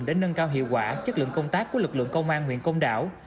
để nâng cao hiệu quả chất lượng công tác của lực lượng công an huyện công đảo